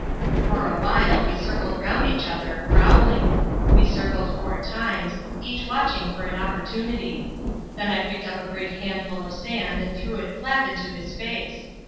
For a while we circled round one another, growling. We circled four times, each watching for an opportunity. Then I picked up a great handful of sand and threw it flap into his face.